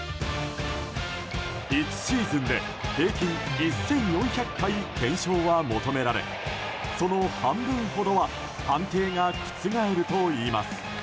１シーズンで平均１４００回、検証は求められその半分ほどは判定が覆るといいます。